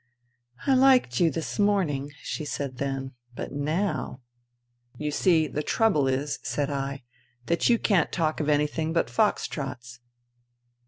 " I liked you this morning," she said then. " But now !"" You see, the trouble is," said I, " that you can't talk of anything but fox trots."